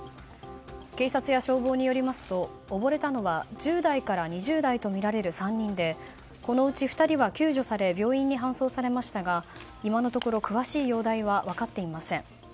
警察や消防によりますと溺れたのは１０代から２０代とみられる３人でこのうち２人は救助され病院に搬送されましたが今のところ詳しい容体は分かっていません。